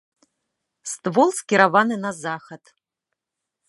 Ствол скіраваны на захад.